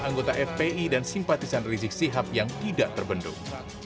anggota fpi dan simpatisan rizik sihab yang tidak terbendung